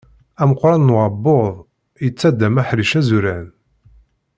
Ameqqran n uɛebbuḍ, yettaddam aḥric azuran.